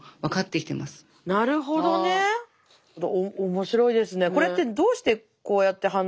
面白いですね。